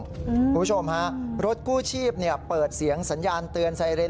คุณผู้ชมฮะรถกู้ชีพเปิดเสียงสัญญาณเตือนไซเรน